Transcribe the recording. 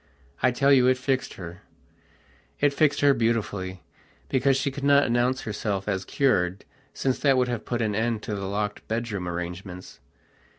I tell you it fixed her. It fixed her beautifully, because she could not announce herself as cured, since that would have put an end to the locked bedroom arrangements.